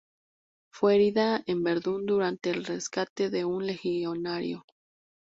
Fue herida en Verdún durante el rescate de un legionario.